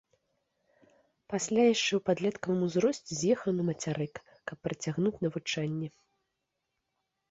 Пасля яшчэ ў падлеткавым узросце з'ехаў на мацярык, каб працягнуць навучанне.